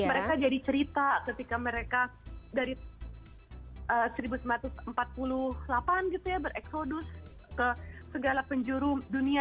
jadi terus mereka jadi cerita ketika mereka dari seribu sembilan ratus empat puluh delapan ber exodus ke segala penjuru dunia